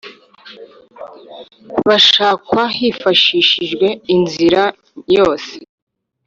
bashakwa hifashishijwe inzira yose